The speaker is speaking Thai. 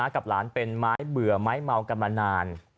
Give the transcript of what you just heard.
กับหลานเป็นไม้เบื่อไม้เมากันมานาน